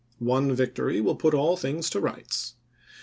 One victory will put all things to rights.